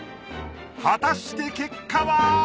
果たして結果は！？